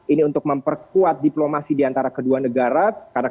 ini untuk memperkuat diplomasi di antara kedua negara